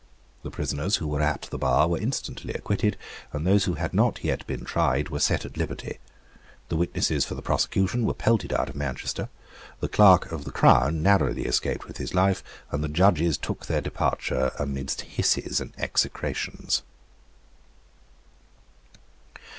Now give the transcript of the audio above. The prisoners who were at the bar were instantly acquitted; those who had not yet been tried were set at liberty; the witnesses for the prosecution were pelted out of Manchester; the Clerk of the Crown narrowly escaped with life; and the judges took their departure amidst hisses and execrations.